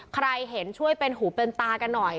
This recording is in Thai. ใครเห็นช่วยเป็นหูเป็นตากันหน่อย